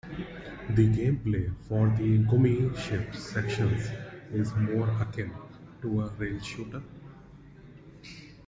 The gameplay for the Gummi Ship sections is more akin to a rail shooter.